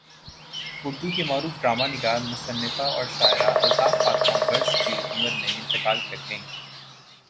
اردو کی معروف ڈرامہ نگار مصنفہ اور شاعرہ الطاف فاطمہ برس کی عمر میں انتقال کر گئیں